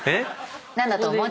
⁉何だと思う？